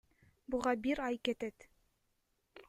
Буга бир ай кетет.